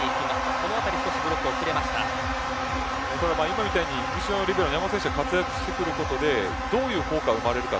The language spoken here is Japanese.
このあたり今のようにリベロの山本選手が活躍していくことでどういう効果が生まれるか。